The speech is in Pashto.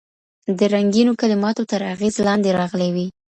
د رنګینو کلماتو تر اغېز لاندي راغلي وي